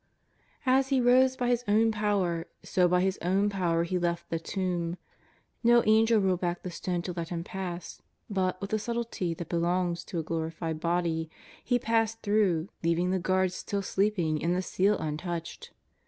As He rose by His own power, so by His ovm power He left the tomb ; no angel rolled back the stone to let Him pass, but, with the subtility that belongs to a glorified body, He passed through, leaving the guards still sleeping and the seal untouched.